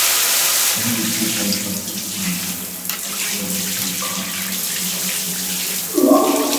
கள் விற்றுக் கலப்பணம் சம்பாதிப்பதைவிடக் கற்பூரம் விற்றுக் காற்பணம் சம்பாதிப்பது மேல்.